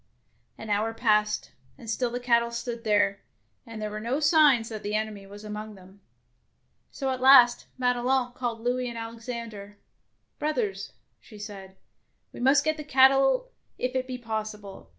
^^ An hour passed, and still the cattle stood there, and there were no signs that the enemy was among them. So at last Madelon called Louis and Alexander. '' Brothers,^^ she said, " we must get in the cattle if it be possible.